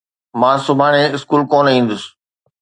مان سڀاڻي اسڪول ڪونہ ايندس.